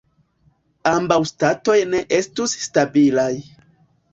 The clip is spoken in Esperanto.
Ambaŭ statoj ne estus stabilaj.